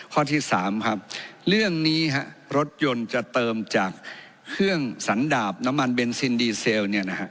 ข้อที่๓ครับเรื่องนี้รถยนต์จะเติมจากเครื่องสันดาบน้ำมันเบนซินดีเซล